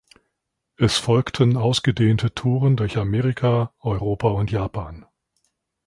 Es folgten ausgedehnte Touren durch Amerika, Europa und Japan.